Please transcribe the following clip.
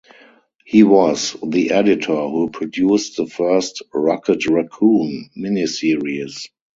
He was the editor who produced the first "Rocket Raccoon" miniseries.